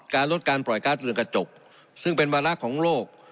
๒การลดการปล่อยกาสเรือนกระจกซึ่งเป็นบรรลักษณ์ของโลก